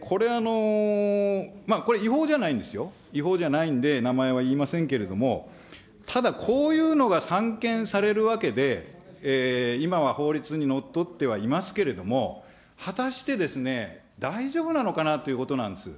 これ、違法じゃないんですよ、違法じゃないんで、名前は言いませんけれども、ただこういうのが散見されるわけで、今は法律にのっとってはいますけれども、果たして大丈夫なのかなということなんです。